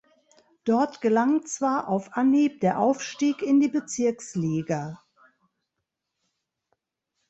Dort gelang zwar auf Anhieb der Aufstieg in die Bezirksliga.